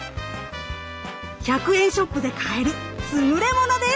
１００円ショップで買える優れものです。